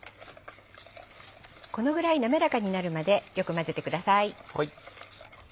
このぐらい滑らかになるまでよく混ぜてください。